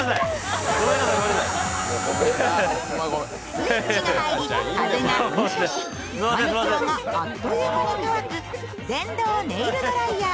スイッチが入り、風が噴射しマニュキアがあっという間に乾く電動ネイルドライヤー。